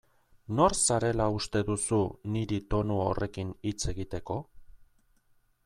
Nor zarela uste duzu niri tonu horrekin hitz egiteko?